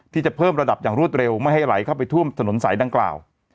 ที่จะเพิ่มระดับอย่างรวดเร็วไม่ให้ไหลเข้าไปท่วมถนนสายดังกล่าว